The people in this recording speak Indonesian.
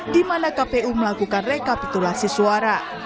di mana kpu melakukan rekapitulasi suara